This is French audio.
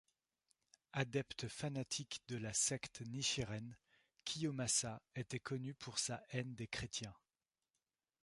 Adepte fanatique de la secte Nichiren, Kiyomasa était connu pour sa haine des chrétiens.